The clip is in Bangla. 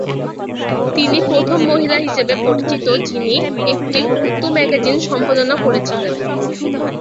তিনি প্রথম মহিলা হিসাবে পরিচিত যিনি একটি উর্দু ম্যাগাজিন সম্পাদনা করেছিলেন।